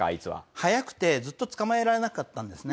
速くてずっと捕まえられなかったんですね。